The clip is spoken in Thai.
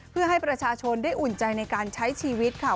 เพื่อให้ประชาชนได้อุ่นใจในการใช้ชีวิตค่ะ